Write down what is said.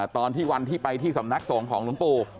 ตอนที่วันที่ไปที่สำนักสงฆ์ของหลวงปู่